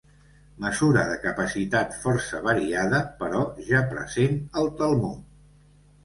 Mesura de capacitat força variada, però ja present al Talmud.